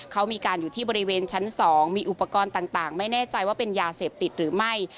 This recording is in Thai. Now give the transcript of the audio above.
เขามีการอยู่ที่บริเวณชั้น๒มีอุปกรณ์ต่างไม่แน่ใจว่าเป็นยาเสพติดหรือไม่